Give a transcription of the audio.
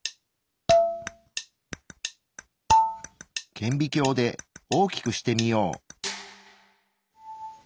顕微鏡で大きくしてみよう。